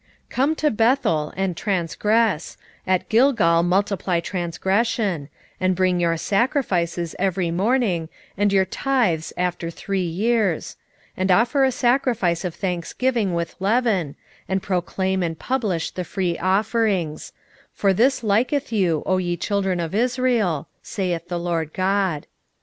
4:4 Come to Bethel, and transgress; at Gilgal multiply transgression; and bring your sacrifices every morning, and your tithes after three years: 4:5 And offer a sacrifice of thanksgiving with leaven, and proclaim and publish the free offerings: for this liketh you, O ye children of Israel, saith the Lord GOD.